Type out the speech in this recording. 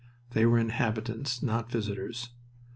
They were inhabitants, not visitors.